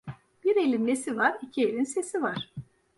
Bir elin nesi var, iki elin sesi var.